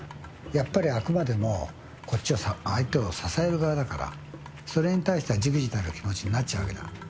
やっぱりあくまでも、こっちは相手を支える側だから、それに対しては、じくじたる気持ちになっちゃうわけだ。